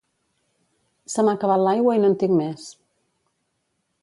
Se m'ha acabat l'aigua i no en tinc més